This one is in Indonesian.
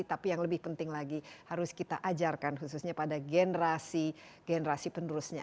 tapi yang lebih penting lagi harus kita ajarkan khususnya pada generasi generasi penerusnya